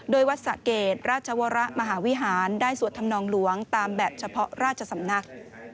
โดยวัดสะเกดราชวรมหาวิหารได้สวดธรรมนองหลวงตามแบบเฉพาะราชสำนัก